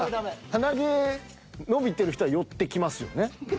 鼻毛伸びてる人は寄ってきますよね。